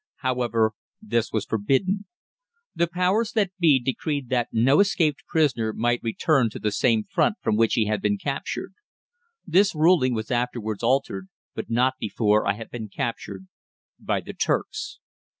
However, this was forbidden. The powers that be decreed that no escaped prisoner might return to the same front from which he had been captured. This ruling was afterwards altered, but not before I had been captured by the Turks.